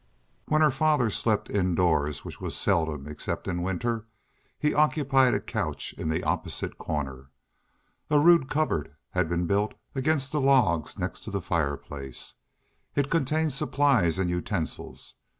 When her father slept indoors, which was seldom except in winter, he occupied a couch in the opposite corner. A rude cupboard had been built against the logs next to the fireplace. It contained supplies and utensils.